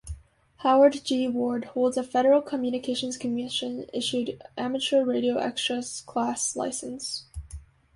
Howard G. "Ward" holds a Federal Communications Commission issued Amateur Radio Extra Class license.